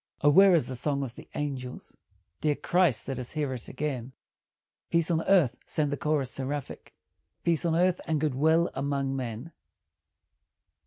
O where is the song of the angels? Dear Christ, let us hear it again; "Peace on earth," send the chorus seraphic, "Peace on earth, and good will among men."